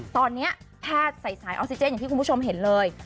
ตอนนี้แพทย์ใส่สายออกซิเจนอย่างที่คุณผู้ชมเห็นเลย